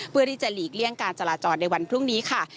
เพื่อที่จะหลีกเลี่ยงการจราจรในวันพรุ่งนี้ค่ะ